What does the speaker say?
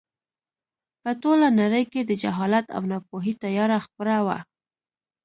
په ټوله نړۍ کې د جهالت او ناپوهۍ تیاره خپره وه.